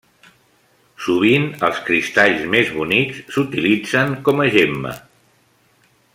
Sovint, els cristalls més bonics s'utilitzen com a gemma.